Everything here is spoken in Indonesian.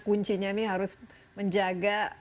kuncinya ini harus menjaga